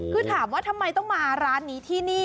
คือถามว่าทำไมต้องมาร้านนี้ที่นี่